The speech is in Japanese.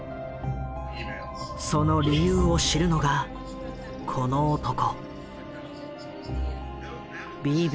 その理由を知るのがこの男。